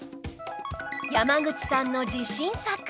山口さんの自信作